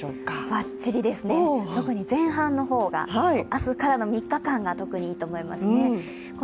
ばっちりですね、特に前半の方が明日からの３日間が特にいいと思いますね。